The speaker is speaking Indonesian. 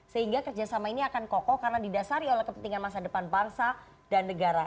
sehingga kerjasama ini akan kokoh karena didasari oleh kepentingan masa depan bangsa dan negara